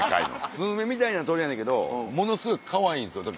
スズメみたいな鳥やねんけどものすごいかわいいんですよ。